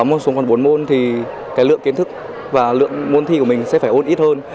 khi giảm tài từ sáu môn xuống còn bốn môn thì cái lượng kiến thức và lượng môn thi của mình sẽ phải ôn ít hơn